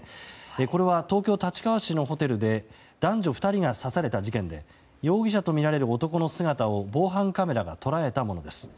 これは東京・立川市のホテルで男女２人が刺された事件で容疑者とみられる男の姿を防犯カメラが捉えたものです。